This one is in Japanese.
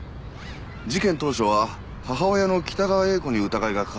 事件当初は母親の北川栄子に疑いがかかったようです。